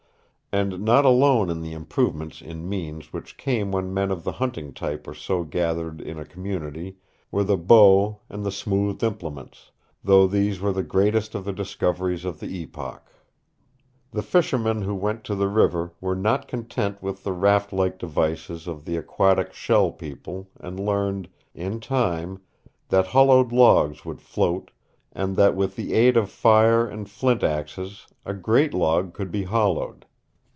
And not alone in the improvements in means which came when men of the hunting type were so gathered in a community were the bow and the smoothed implements, though these were the greatest of the discoveries of the epoch. The fishermen who went to the river were not content with the raft like devices of the aquatic Shell People and learned, in time, that hollowed logs would float and that, with the aid of fire and flint axes, a great log could be hollowed.